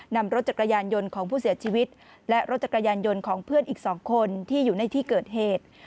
นำรถจักรยานยนต์ของผู้เสียชีวิตและรถจักรยานยนต์ของเพื่อนอีก๒คนที่อยู่ในที่เกิดเหตุ